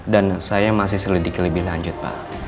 dan saya masih selidiki lebih lanjut pak